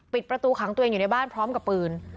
ประตูขังตัวเองอยู่ในบ้านพร้อมกับปืน